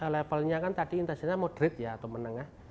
levelnya kan tadi intensitasnya moderate ya atau menengah